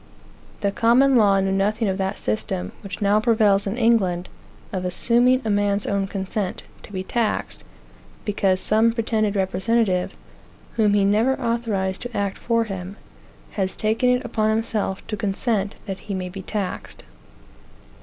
The Common Law knew nothing of that system, which now prevails in England, of assuming a man's own consent to be taxed, because some pretended representative, whom he never authorized to act for him, has taken it upon himself to consent that he may be taxed.